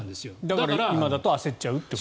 だから今だと焦っちゃうと。